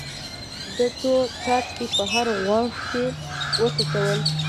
ده څو څاڅکي په هر غوږ کې وڅڅول.